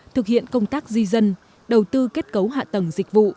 thực hiện công tác di dân đầu tư kết cấu hạ tầng dịch vụ